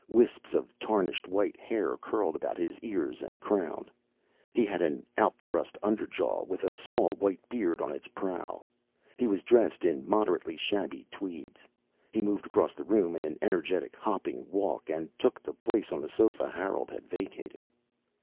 Wisps of tarnished white hair curled about his ears and crown. He had an out thrust underjaw with a small white beard on its prow. He was dressed in moderately shabby tweeds. He moved across the room in an energetic hopping walk and took the place on the sofa Harold had vacated.